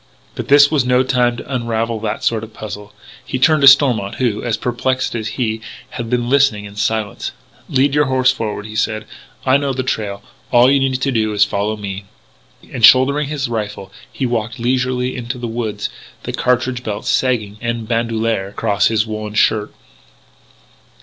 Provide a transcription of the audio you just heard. But this was no time to unravel that sort of puzzle. He turned to Stormont who, as perplexed as he, had been listening in silence. "Lead your horse forward," he said. "I know the trail. All you need do is to follow me." And, shouldering his rifle, he walked leisurely into the woods, the cartridge belt sagging en bandouliere across his woollen undershirt.